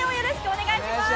お願いします！